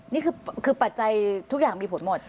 นี่คือปัจจัยทุกอย่างมีผลหมด